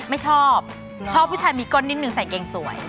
ไม่ชอบชอบผู้ชายมีก้นนิดนึงใส่เกงสวย